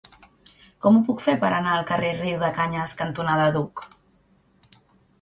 Com ho puc fer per anar al carrer Riudecanyes cantonada Duc?